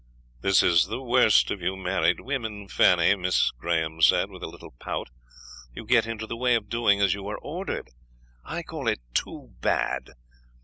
"That is the worst of you married women, Fanny," Miss Graham said, with a little pout. "You get into the way of doing as you are ordered. I call it too bad.